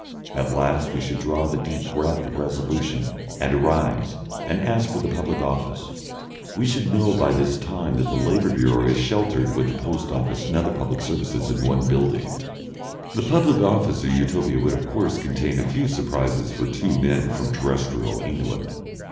At last we should draw the deep breath of resolution and arise and ask for the Public Office. We should know by this time that the labour bureau sheltered with the post office and other public services in one building. The public office of Utopia would of course contain a few surprises for two men from terrestrial England.